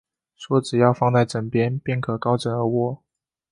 说只要放在枕边，便可高枕而卧